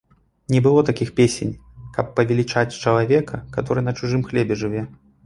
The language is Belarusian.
Не было такіх песень, каб павелічаць чалавека, каторы на чужым хлебе жыве.